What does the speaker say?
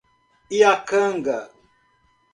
Iacanga